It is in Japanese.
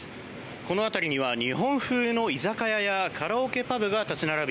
この辺りには日本風の居酒屋やカラオケパブが立ち並び